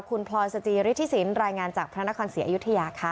คุณพลอยสจิริธิสินรายงานจากพระนครศรีอยุธยาค่ะ